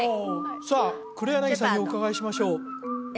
さあ黒柳さんにお伺いしましょうええ